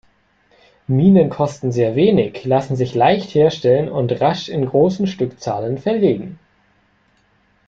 Minen kosten sehr wenig, lassen sich leicht herstellen und rasch in großen Stückzahlen verlegen.